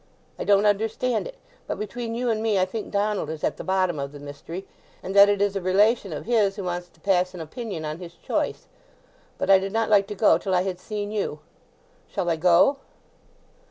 I don't understand it; but between you and me I think Donald is at the bottom of the mystery, and that it is a relation of his who wants to pass an opinion on his choice. But I did not like to go till I had seen you. Shall I go?"